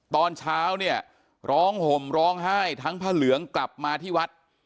ตอนเช้าเนี่ยร้องห่มร้องไห้ทั้งพระเหลืองกลับมาที่วัด